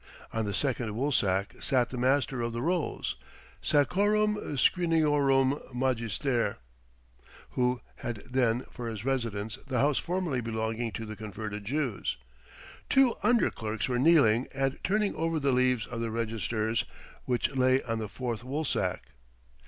On the second woolsack sat the Master of the Rolls, sacrorum scriniorum magister, who had then for his residence the house formerly belonging to the converted Jews. Two under clerks were kneeling, and turning over the leaves of the registers which lay on the fourth woolsack.